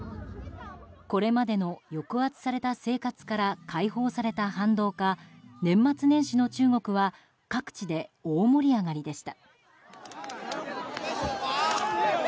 これまでの抑圧された生活から解放された反動か年末年始の中国は各地で大盛り上がりでした。